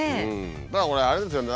だからこれあれですよね